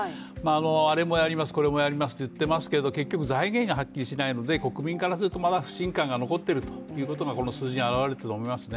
あれもやりますと、これもやりますと言っていますけど、結局、財源がはっきりしないので国民からするとまだ不信感が残っているというのがこの数字に表れていると思いますね。